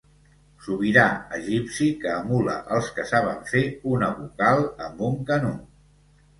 Sobirà egipci que emula els que saben fer una vocal amb un canut.